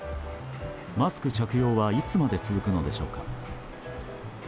マスク着用はいつまで続くのでしょうか。